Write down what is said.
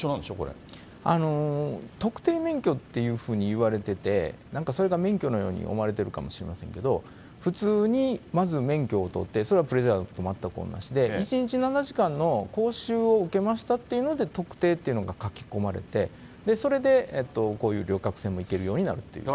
特定免許っていうふうにいわれてて、なんかそれが免許のように思われてるかもしれませんけれども、普通にまず免許を取って、それはプレジャーボートと全く同じで、１日７時間の講習を受けましたっていうので特定というのが書き込まれて、それでこういう旅客船もいけるようになるという。